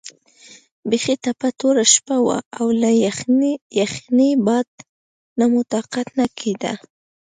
بیخي تپه توره شپه وه او له یخنۍ باد نه مو طاقت نه کېده.